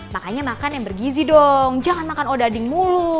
makanya makan yang bergizi dong jangan makan odading mulu